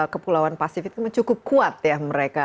kepulauan pasifik itu cukup kuat ya mereka